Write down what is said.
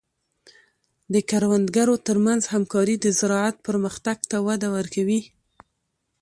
د کروندګرو تر منځ همکاري د زراعت پرمختګ ته وده ورکوي.